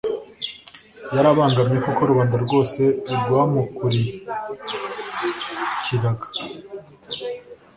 Yari abangamye kuko rubanda rwose rwamukurikiraga